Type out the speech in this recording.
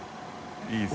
いいですね。